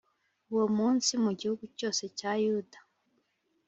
Uwo munsi, mu gihugu cyose cya Yuda,